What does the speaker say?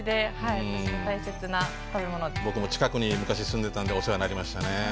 僕も近くに昔住んでたんでお世話になりましたね。